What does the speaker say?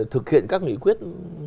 thực hiện các nghị quyết